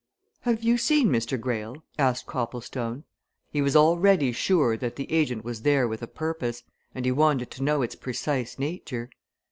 "Have you seen Mr. Greyle?" asked Copplestone. He was already sure that the agent was there with a purpose, and he wanted to know its precise nature.